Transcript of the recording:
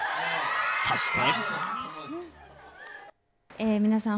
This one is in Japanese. そして。